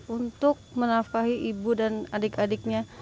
untuk menafahi ibu dan adik adiknya